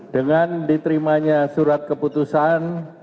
dengan diterimanya surat keputusan